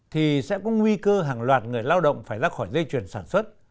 thì sẽ có nguy cơ hàng loạt người lao động phải ra khỏi dây chuyển sản xuất